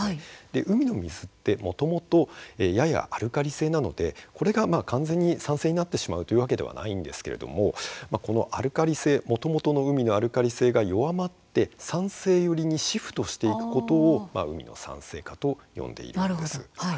海の水って、もともとややアルカリ性なので、これが完全に酸性になってしまうというわけではないんですがもともとの海のアルカリ性が弱まって酸性寄りにシフトしていくことを海の酸性化と呼んでいるんです。